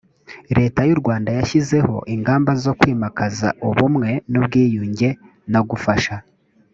leta y u rwanda yashyizeho ingamba zo kwimakaza ubumwe n ubwiyunge no gufasha